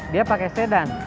dia pake sedan